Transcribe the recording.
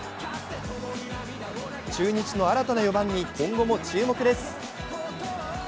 中日の新たな４番に今後も注目です